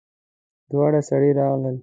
دوه سړي راغلل.